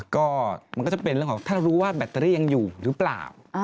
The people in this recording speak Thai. ก็มันก็จะเป็นเรื่องของถ้ารู้ว่าแบตเตอรี่ยังอยู่หรือเปล่า